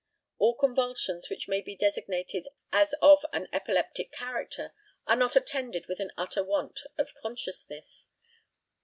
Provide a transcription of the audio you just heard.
All convulsions which may be designated as of an epileptic character are not attended with an utter want of consciousness.